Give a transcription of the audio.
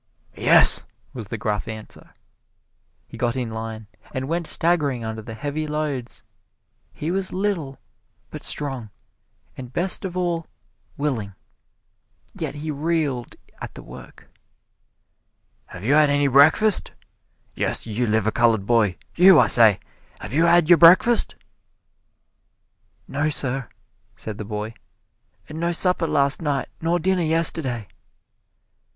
"Yes!" was the gruff answer. He got in line and went staggering under the heavy loads. He was little, but strong, and best of all, willing, yet he reeled at the work. "Have you had any breakfast? Yes, you liver colored boy you, I say, have you had your breakfast?" "No, sir," said the boy; "and no supper last night nor dinner yesterday!"